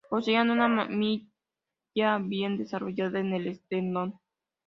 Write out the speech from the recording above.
Poseían una quilla bien desarrollada en el esternón.